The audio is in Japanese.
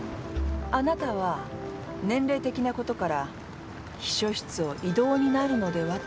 あなたは年齢的なことから秘書室を異動になるのではと気にしていた？